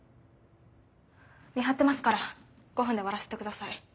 見張ってますから５分で終わらせてください。